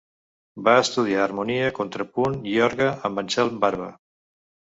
Va estudiar harmonia, contrapunt i orgue amb Anselm Barba.